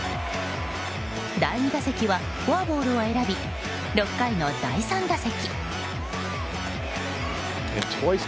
第２打席はフォアボールを選び６回の第３打席。